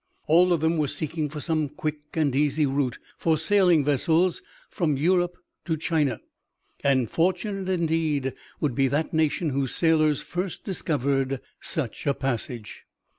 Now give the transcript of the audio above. All of them were seeking for some quick and easy route for sailing vessels from Europe to China, and fortunate indeed would be that nation whose sailors first discovered such a passage!